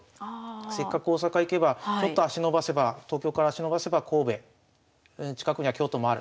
せっかく大阪行けばちょっと足延ばせば東京から足延ばせば神戸近くには京都もある。